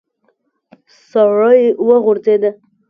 سړی وغورځېد.